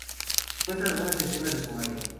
Muestra algunas escenas de su madre.